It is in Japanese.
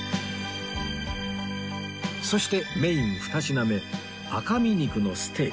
そしてメイン２品目赤身肉のステーキ